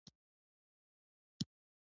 زه د رسنیو له لارې نړۍ ته خبرې کوم.